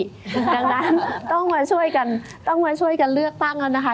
ดังนั้นต้องมาช่วยกันเลือกตั้งนะคะ